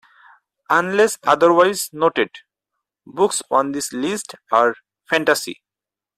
Unless otherwise noted, books on this list are fantasy.